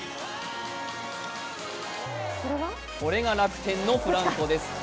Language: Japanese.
これが楽天のフランコです。